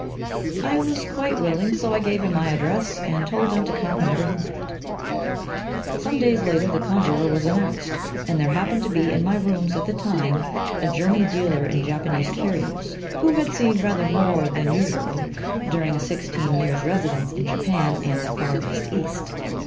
I was quite willing, so I gave him my address and told him to come whenever he liked. Some days later the conjurer was announced, and there happened to be in my rooms at the time a German dealer in Japanese curios, who had seen rather more than usual during a sixteen years' residence in Japan and the Farthest East.